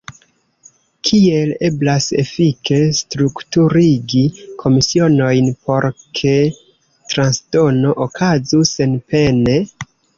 Kiel eblas efike strukturigi komisionojn, por ke transdono okazu senpene?